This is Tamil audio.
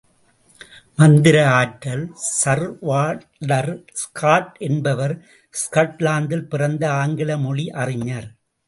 மந்திர ஆற்றல் சர் வால்டர் ஸ்காட் என்பவர் ஸ்காட்லாந்தில் பிறந்த ஆங்கில மொழி அறிஞர்.